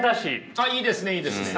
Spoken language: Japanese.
ああいいですねいいですね。